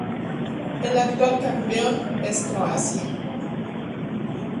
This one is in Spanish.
El actual campeón es Croacia.